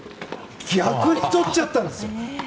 逆にとっちゃったんです。